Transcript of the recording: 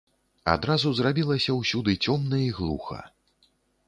Адразу зрабілася ўсюды цёмна і глуха.